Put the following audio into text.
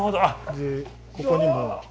でここにも。